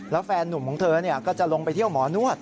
แล้วแฟนนุ่มของเธอก็จะลงไปเที่ยวหมอนวด